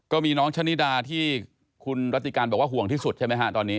ก็มีน้องชะนิดาที่คุณรัติการบอกว่าห่วงที่สุดใช่ไหมฮะตอนนี้